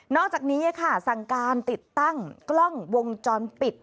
อกจากนี้ค่ะสั่งการติดตั้งกล้องวงจรปิด